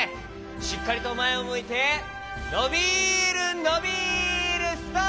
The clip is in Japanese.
しっかりとまえをむいてのびるのびるストップ！